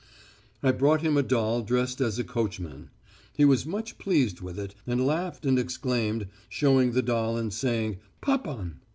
"I brought him a doll dressed as a coachman. He was much pleased with it, and laughed and exclaimed, showing the doll and saying _Papan!